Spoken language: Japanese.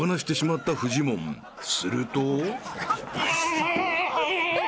［すると］